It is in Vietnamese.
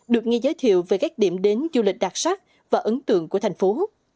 được nghe giới thiệu về các điểm đến du lịch đặc sắc và ấn tượng của thành phố